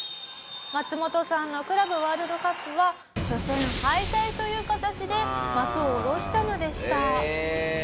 マツモトさんのクラブワールドカップは初戦敗退という形で幕を下ろしたのでした。